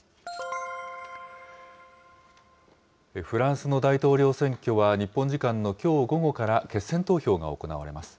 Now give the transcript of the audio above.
フランスの大統領選挙は日本時間のきょう午後から決選投票が行われます。